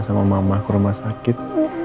sama mama ke rumah sakit